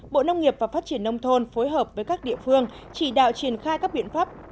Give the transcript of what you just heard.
bộ nông nghiệp và phát triển nông thôn phối hợp với các địa phương chỉ đạo triển khai các biện pháp